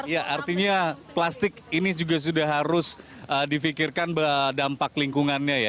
ya artinya plastik ini juga sudah harus difikirkan dampak lingkungannya ya